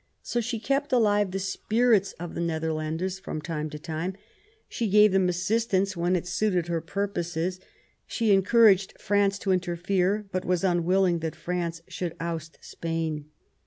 So she kept alive the spirits of the Netherlanders from time to time : she gave them assistance when it suited her purposes; she en couraged France to interfere, but was unwilling that France should oust Spain.